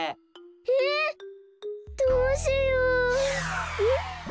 え⁉どうしようん？